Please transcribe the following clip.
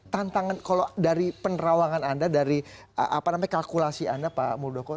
tantangan kalau dari penerawangan anda dari kalkulasi anda pak muldoko